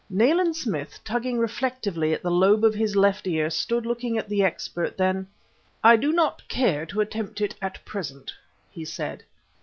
Nayland Smith, tugging reflectively at the lobe of his left ear, stood looking at the expert. Then "I do not care to attempt it at present," he said.